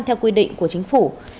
theo quy định của chính phủ